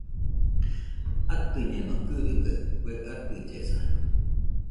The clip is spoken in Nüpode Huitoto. Atɨñeno gɨrɨgaɨ kue atɨllesa